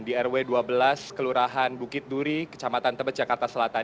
di rw dua belas kelurahan bukit duri kecamatan tebet jakarta selatan